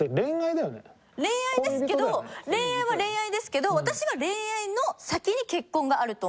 恋愛ですけど恋愛は恋愛ですけど私は恋愛の先に結婚があると思ってて。